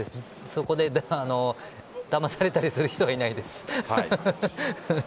そこでだまされたりする人はいないです。